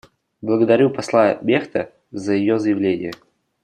Благодарю посла Мехта за ее заявление.